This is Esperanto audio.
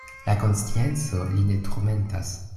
La konscienco lin ne turmentas.